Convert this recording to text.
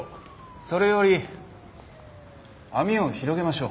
それより網を広げましょう。